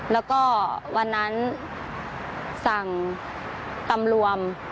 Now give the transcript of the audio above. แล้วก็วันนั้นสั่งตำรวจ